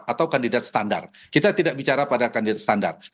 atau kandidat standar kita tidak bicara pada kandidat standar